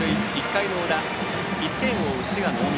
１回の裏、１点を追う